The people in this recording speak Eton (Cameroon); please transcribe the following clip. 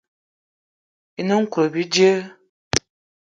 Yen nkout bíjé.